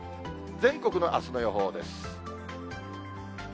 全国のあすの予報です。